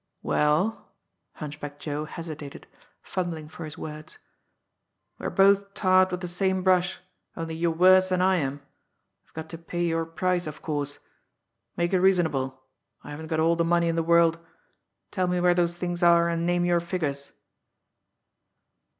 "Well" Hunchback Joe hesitated, fumbling for his words "we're both tarred with the same brush, only you're worse than I am. I've got to pay your price, of course. Make it reasonable. I haven't got all the money in the world. Tell me where those things are, and name your figures."